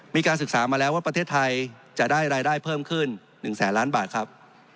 มีการศึกษามาแล้วว่าประเทศไทยจะได้รายได้เพิ่มขึ้น๑แสนล้านบาทครับ